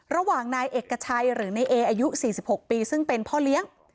ระหว่างนายเอกชัยหรือในเออายุ๔๖ปีซึ่งเป็นพ่อเลี้ยง